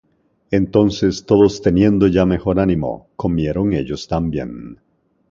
Entonces todos teniendo ya mejor ánimo, comieron ellos también.